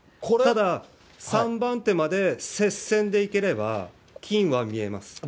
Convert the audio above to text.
ただ、３番手まで接戦でいければ、金は見えます。